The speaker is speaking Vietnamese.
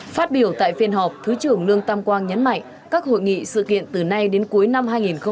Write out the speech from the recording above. phát biểu tại phiên họp thứ trưởng lương tam quang nhấn mạnh các hội nghị sự kiện từ nay đến cuối năm hai nghìn hai mươi